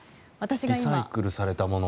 リサイクルされたもの？